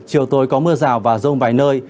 chiều tối có mưa rào và rông vài nơi